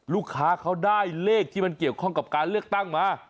ลูกค้าเขาได้เลขที่มันเกี่ยวข้องกับการเลือกตั้งมา